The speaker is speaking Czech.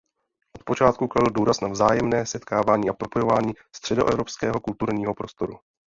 Od počátku kladl důraz na vzájemné setkávání a propojování středoevropského kulturního prostoru.